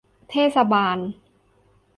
เทศบาล